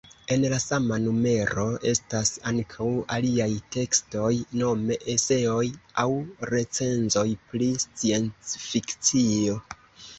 En la sama numero estas ankaŭ aliaj tekstoj, nome eseoj aŭ recenzoj pri sciencfikcio.